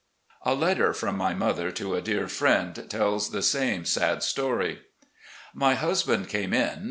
A letter from my mother to a dear friend tells the same sad story: "... My husband came in.